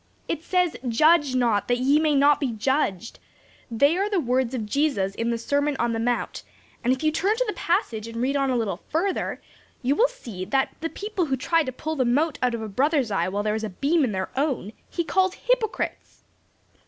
"It says 'Judge not, that ye be not judged.' They are the words of Jesus in the Sermon on the Mount, and if you turn to the passage and read on a little further, you will see that people who try to pull the mote out of a brother's eye while there is a beam in their own, He calls hypocrites."